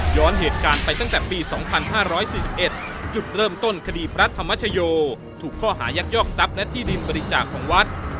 เหตุการณ์ไปตั้งแต่ปี๒๕๔๑จุดเริ่มต้นคดีพระธรรมชโยถูกข้อหายักยอกทรัพย์และที่ดินบริจาคของวัด